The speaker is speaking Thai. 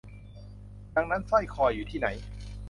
ดังนั้นสร้อยคออยู่ที่ไหน